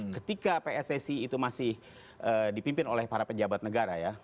ketika pssi itu masih dipimpin oleh para pejabat negara ya